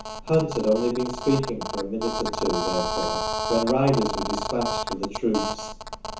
Hunt had only been speaking for a minute or two, therefore, when riders were dis patched for the troops.